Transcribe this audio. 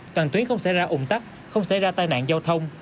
toàn tuyến không xảy ra ủng tắc không xảy ra tai nạn giao thông